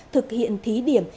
thực hiện thí điểm